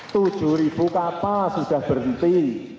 tujuh ribu kapal sudah berhenti